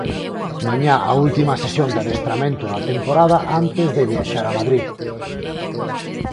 Mañá a última sesión de adestramento da temporada antes de viaxar a Madrid.